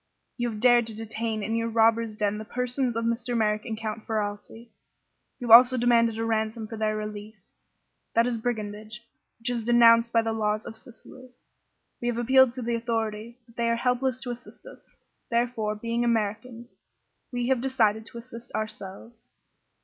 "You have dared to detain in your robbers' den the persons of Mr. Merrick and Count Ferralti. You have also demanded a ransom for their release. That is brigandage, which is denounced by the laws of Sicily. We have appealed to the authorities, but they are helpless to assist us. Therefore, being Americans, we have decided to assist ourselves.